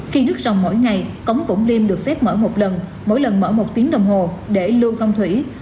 khi nước rồng mỗi ngày cống vũng liêm được phép mở một lần mỗi lần mở một tiếng đồng hồ để lưu văn thủy